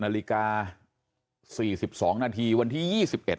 นาฬิกา๔๒นาทีวันที่๒๑